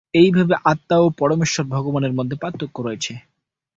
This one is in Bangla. এইভাবে আত্মা ও পরমেশ্বর ভগবানের মধ্যে পার্থক্য রয়েছে।